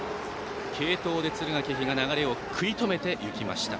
継投で敦賀気比が流れを食い止めていきました。